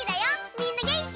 みんなげんき？